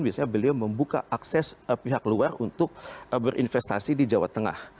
biasanya beliau membuka akses pihak luar untuk berinvestasi di jawa tengah